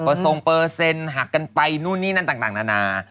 เปอร์เซ็นต์หักกันไปนู่นนี่นั่นต่างนานา